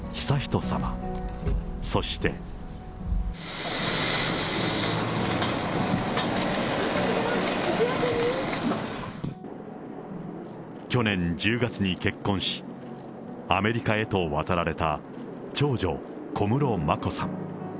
眞子さま、去年１０月に結婚し、アメリカへと渡られた長女、小室眞子さん。